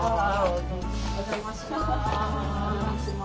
お邪魔します。